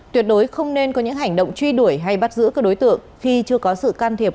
tuyệt đối không nên có những hành động truy đuổi hay bắt giữ các đối tượng khi chưa có sự can thiệp